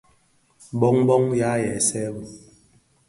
Bông di bông yàa weesën bi.